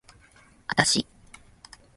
あたし